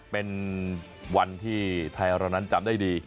เป็นวันที่ไทยเรานั้นจำได้ดี